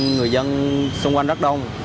người dân xung quanh rất đông